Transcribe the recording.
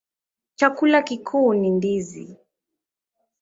Chakula kikuu ni ndizi.